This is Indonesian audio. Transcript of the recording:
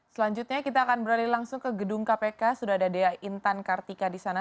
selanjutnya kita akan beralih langsung ke gedung kpk sudah ada dea intan kartika di sana